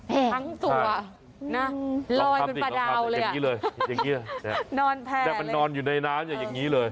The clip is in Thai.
ทั้งตัวลอยเป็นประดาวเลยนอนแผลแต่มันนอนอยู่ในน้ำอย่างนี้เลย